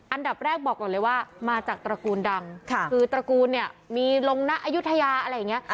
อันดับแรกบอกก่อนเลยว่ามาจากตระกูลดังคือตระกูลเนี่ยมีลงนะอายุทยาอะไรอย่างนี้